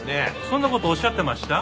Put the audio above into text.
そんな事おっしゃってました？